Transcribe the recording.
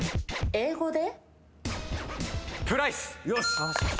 英語で？